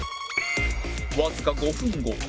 わずか５分後